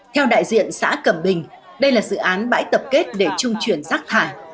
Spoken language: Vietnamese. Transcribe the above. theo đại diện xã cẩm bình đây là dự án bãi tập kết để trung chuyển rác thải